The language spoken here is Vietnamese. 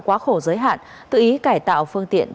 quá khổ giới hạn tự ý cải tạo phương tiện